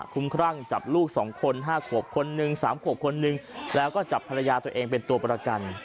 คุ้มครั่งจับลูก๒คน๕ขวบคนหนึ่ง๓ขวบคนหนึ่งแล้วก็จับภรรยาตัวเองเป็นตัวประกัน